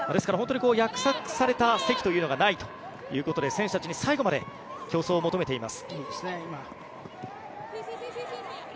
約束された席がないということで選手たちに最後まで競争を求めています。